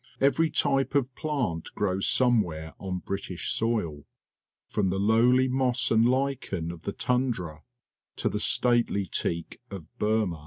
Every type of plant grows some where on British soil, from the lowly moss and lichen of the tundra to the stately teak of Burma.